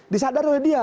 disadar oleh dia